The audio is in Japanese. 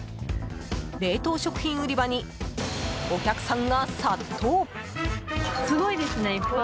冷凍食品売り場にお客さんが殺到。